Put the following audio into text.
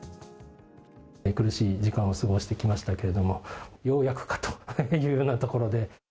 苦しい時間を過ごしてきましたけれども、ようやくかというよ